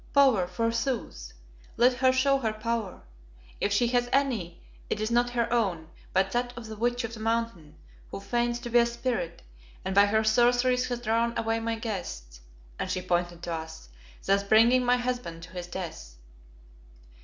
Power, forsooth! Let her show her power. If she has any it is not her own, but that of the Witch of the Mountain, who feigns to be a spirit, and by her sorceries has drawn away my guests" and she pointed to us "thus bringing my husband to his death."